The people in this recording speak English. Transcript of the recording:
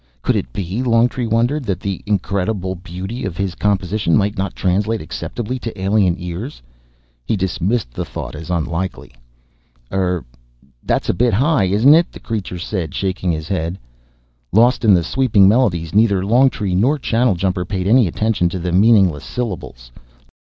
Could it be, Longtree wondered, that the incredible beauty of his composition might not translate acceptably to alien ears? He dismissed the thought as unlikely. "Er that's a bit high, isn't it?" the creature said, shaking his head. Lost in the sweeping melodies, neither Longtree nor Channeljumper paid any attention to the meaningless syllables.